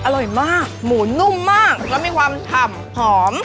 อร่อยมากหมูนุ่มมากแล้วมีความฉ่ำหอม